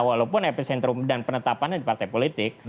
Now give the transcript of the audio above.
walaupun epicentrum dan penetapannya di partai politik